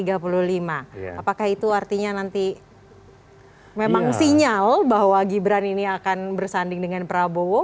apakah itu artinya nanti memang sinyal bahwa gibran ini akan bersanding dengan prabowo